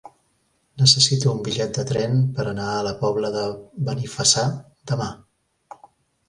Necessito un bitllet de tren per anar a la Pobla de Benifassà demà.